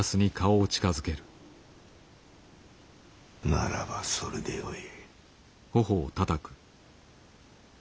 ならばそれでよい。